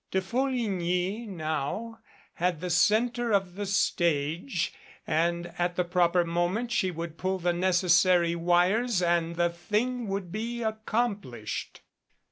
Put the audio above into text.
De Folligny now had the center of the stage and at the proper moment she would pull the necessary wires and the thing would be accomplished.